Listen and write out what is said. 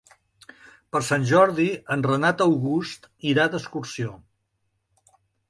Per Sant Jordi en Renat August irà d'excursió.